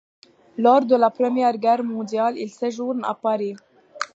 Lors de la Première Guerre mondiale, il séjourne à Paris.